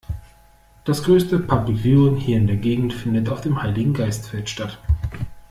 Das größte Public Viewing hier in der Gegend findet auf dem Heiligengeistfeld statt.